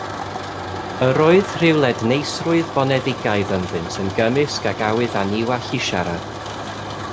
Yr oedd rhyw ledneisrwydd boneddigaidd ynddynt yn gymysg ag awydd anniwall i siarad.